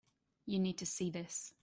You need to see this.